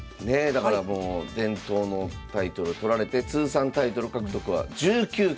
だからもう伝統のタイトル取られて通算タイトル獲得は１９期。